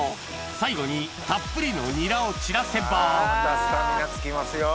最後にたっぷりのニラを散らせばまたスタミナつきますよ。